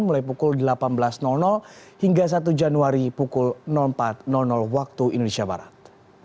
mulai pukul delapan belas hingga satu januari pukul empat waktu indonesia barat